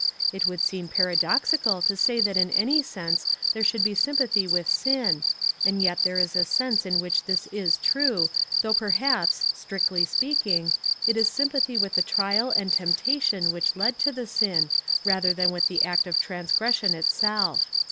It would seem paradoxical to say that in any sense there should be sympathy with sin, and yet there is a sense in which this is true, though perhaps, strictly speaking, it is sympathy with the trial and temptation which led to the sin, rather than with the act of transgression itself.